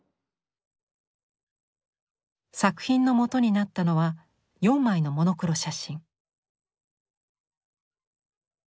作品の基になったのは４枚のモノクロ写真。